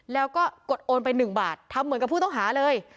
แล้วก็กดโอนไป๑บาททำเหมือนกับผู้ต้องหาเลย